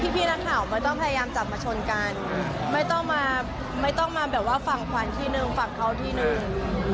พี่นักข่าวไม่ต้องพยายามจับมาชนกันไม่ต้องมาไม่ต้องมาแบบว่าฝั่งควันที่หนึ่งฝั่งเขาทีนึง